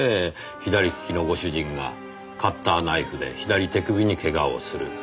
左利きのご主人がカッターナイフで左手首にけがをする。